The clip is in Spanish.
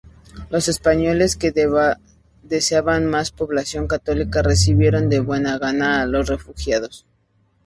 Los españoles, que deseaban más población católica, recibieron de buena gana a los refugiados.